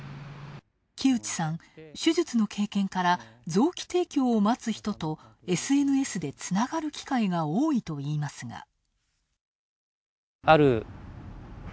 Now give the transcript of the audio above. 木内さん、手術の経験から臓器提供を待つ人とＳＮＳでつながる機会が多いといいますが。